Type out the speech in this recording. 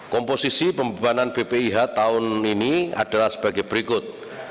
komposisi pembebanan bpih tahun ini adalah sebagai berikut